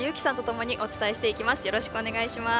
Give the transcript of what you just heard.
よろしくお願いします。